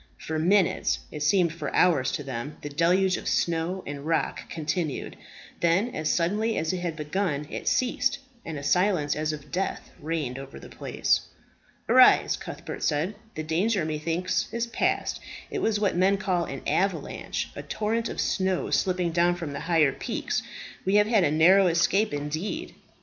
For minutes it seemed for hours to them the deluge of snow and rock continued. Then, as suddenly as it had begun, it ceased, and a silence as of death reigned over the place. "Arise," Cuthbert said; "the danger, methinks, is past. It was what men call an avalanche a torrent of snow slipping down from the higher peaks. We have had a narrow escape indeed."